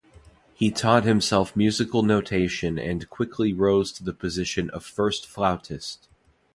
He taught himself musical notation and quickly rose to the position of first flautist.